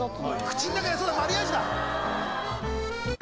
口の中でマリアージュだ。